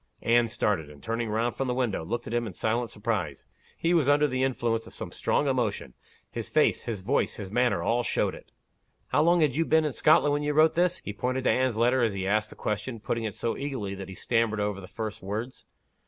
Anne started; and turning round from the window, looked at him in silent surprise. He was under the influence of strong emotion; his face, his voice, his manner, all showed it. "How long had you been in Scotland, when you wrote this?" He pointed to Anne's letter as he asked the question, put ting it so eagerly that he stammered over the first words.